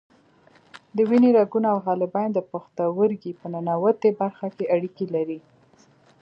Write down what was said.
د وینې رګونه او حالبین د پښتورګي په ننوتي برخه کې اړیکې لري.